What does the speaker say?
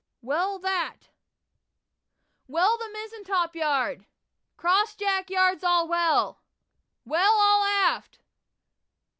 "Well that!" "Well the mizen top gallant yard!" "Cross jack yards all well!" "Well all aft!"